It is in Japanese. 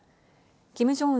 キム・ジョンウン